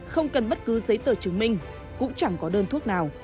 không cần bất cứ giấy tờ chứng minh cũng chẳng có đơn thuốc nào